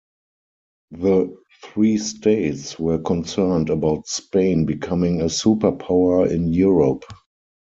The three states were concerned about Spain becoming a superpower in Europe.